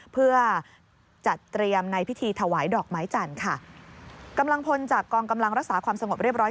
เพื่อจัดเตรียมในพิธีถวายดอกไม้จันทร์ค่ะกำลังพลจากกองกำลังรักษาความสงบเรียบร้อย